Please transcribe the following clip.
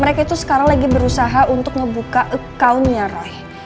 mereka itu sekarang lagi berusaha untuk ngebuka accountnya roy